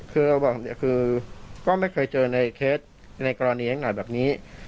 คือบอกว่าคือก็ไม่เคยเจอในเคสในกรณียังไหนแบบนี้